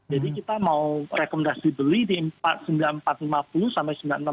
jadi kita mau rekomendasi beli di rp empat puluh sembilan empat ratus lima puluh sampai rp sembilan puluh enam tujuh puluh lima